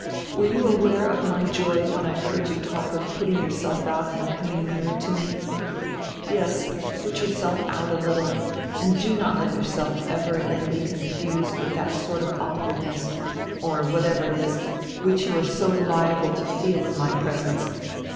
Were you aware of my joy when I heard you talk of putting yourself out and coming nearer to me? Yes, put yourself out a little, and do not let yourself ever again be confused with that sort of awkwardness, or whatever it is, which you are so liable to feel in my presence.